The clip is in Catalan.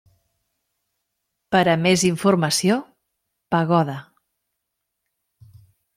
Per a més informació: pagoda.